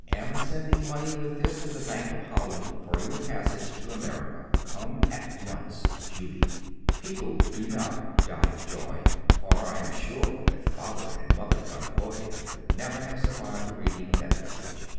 Am sending money with this to the Bank of Holland, for your passage to America. Come at once. JULIE. People do not die of joy, or I am sure that Father and Mother Van Hove would never have survived the reading of that message.